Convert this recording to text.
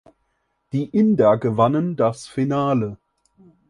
Die Inder gewannen das Finale.